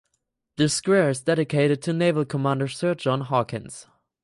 The square is dedicated to naval commander Sir John Hawkins.